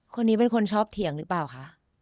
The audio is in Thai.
คนนี้เป็นคนชอบเถียงหรือเปล่าคะ